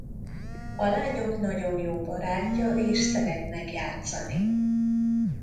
A lányok nagyon jó barátja és szeretnek játszani.